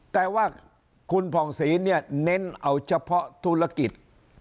แต่ว่าคุณผ่องศรีเนี่ยเน้นเอาเฉพาะธุรกิจ